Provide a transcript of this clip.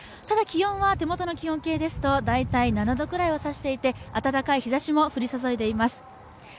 ただ気温は、手元お気温計ですと大体７度ぐらいを差していて暖かい日ざしも降り注いでいます。